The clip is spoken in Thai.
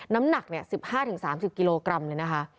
น้ำหนัก๑๕๓๐กิโลกรัมเลยนะคะ